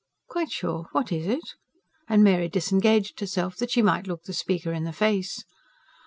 "Quite sure. What is it?" and Mary disengaged herself, that she might look the speaker in the face.